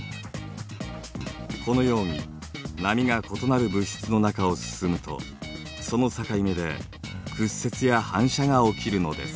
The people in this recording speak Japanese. このように波が異なる物質の中を進むとその境目で屈折や反射が起きるのです。